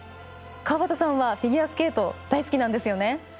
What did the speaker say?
川端さんはフィギュアスケート大好きなんですよね。